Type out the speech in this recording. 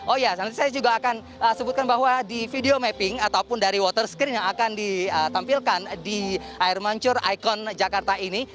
oh ya nanti saya juga akan sebutkan bahwa di video mapping ataupun dari water screen yang akan ditampilkan di air mancur ikon jakarta ini